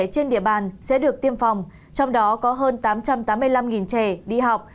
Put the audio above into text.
trên địa bàn sẽ được tiêm phòng trong đó có hơn tám trăm tám mươi năm trẻ đi học